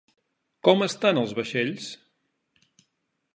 Com estan els vaixells?